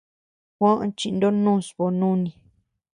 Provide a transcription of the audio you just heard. Juó chindonus bö nuni.